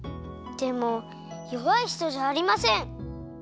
でもよわいひとじゃありません！